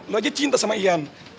lo aja cinta sama ian